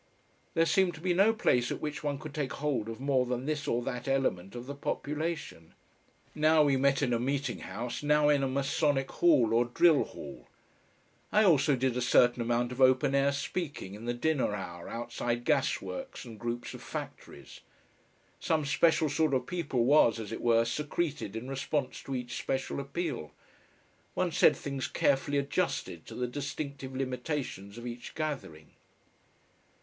There seemed to be no place at which one could take hold of more than this or that element of the population. Now we met in a meeting house, now in a Masonic Hall or Drill Hall; I also did a certain amount of open air speaking in the dinner hour outside gas works and groups of factories. Some special sort of people was, as it were, secreted in response to each special appeal. One said things carefully adjusted to the distinctive limitations of each gathering.